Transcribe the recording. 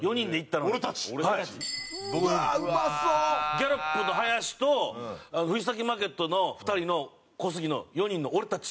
ギャロップの林と藤崎マーケットの２人の小杉の４人の俺たち。